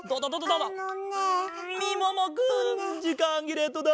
うんみももくんじかんぎれットだ！